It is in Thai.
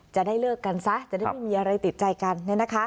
จะได้เลิกกันซะจะได้ไม่มีอะไรติดใจกัน